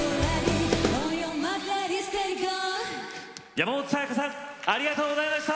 山本彩さんありがとうございました！